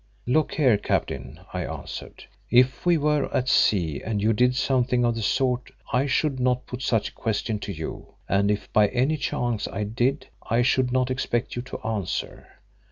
"Look here, Captain," I answered, "if we were at sea and you did something of the sort, I should not put such a question to you, and if by any chance I did, I should not expect you to answer.